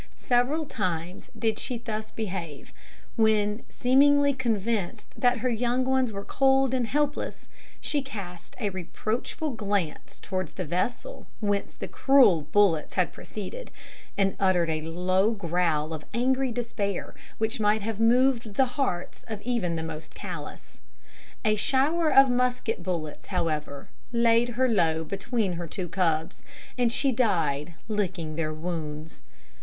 Several times did she thus behave, when, seemingly convinced that her young ones were cold and helpless, she cast a reproachful glance towards the vessel whence the cruel bullets had proceeded, and uttered a low growl of angry despair which might have moved the hearts even of the most callous. A shower of musket bullets, however, laid her low between her two cubs, and she died licking their wounds.